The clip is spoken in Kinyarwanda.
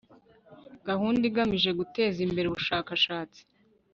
gahunda igamije guteza imbere ubushakashatsi